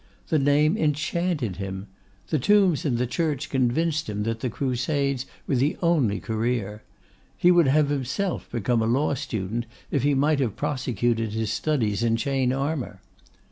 The name enchanted him. The tombs in the church convinced him that the Crusades were the only career. He would have himself become a law student if he might have prosecuted his studies in chain armour.